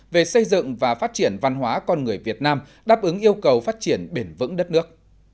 về xây dựng và phát triển văn hóa con người việt nam đáp ứng yêu cầu phát triển bền vững đất nước